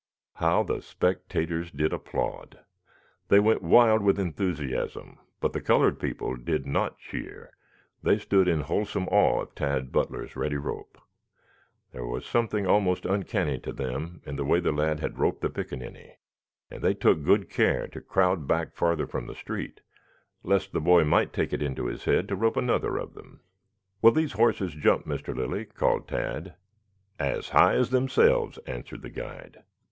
How the spectators did applaud! They went wild with enthusiasm, but the colored people did not cheer; they stood in wholesome awe of Tad Butler's ready rope. There was something almost uncanny to them in the way the lad had roped the pickaninny, and they took good care to crowd back farther from the street lest the boy might take it into his head to rope another of them. "Will these horses jump, Mr. Lilly?" called Tad. "As high as themselves," answered the guide.